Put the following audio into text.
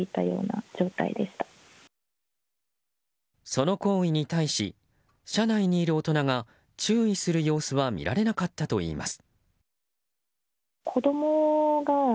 その行為に対し車内にいる大人が注意する様子は見られなかったといいます。